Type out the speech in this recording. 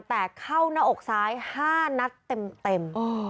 แต่เข้าหน้าอกซ้าย๕นัดเต็ม